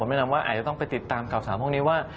แนะนำว่าอาจจะต้องไปติดตามข่าวสารพวกนี้ว่า